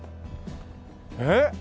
えっ！？